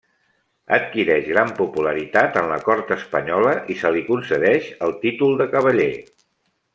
Adquireix gran popularitat en la cort espanyola i se li concedeix el títol de cavaller.